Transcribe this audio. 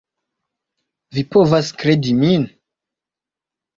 Vi povas kredi min.